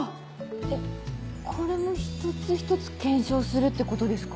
えっこれも一つ一つ検証するってことですか？